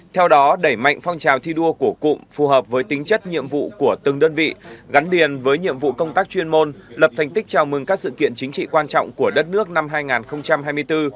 theo đó đẩy mạnh phong trào thi đua của cụm phù hợp với tính chất nhiệm vụ của từng đơn vị gắn điền với nhiệm vụ công tác chuyên môn lập thành tích chào mừng các sự kiện chính trị quan trọng của đất nước năm hai nghìn hai mươi bốn